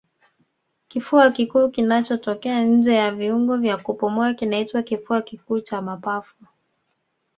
Kifua kikuu kinachotokea nje ya viungo vya kupumua kinaitwa kifua kikuu cha mapafu